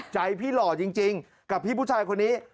ใจพี่หล่อจริงกับพี่ผู้ชายคนนี้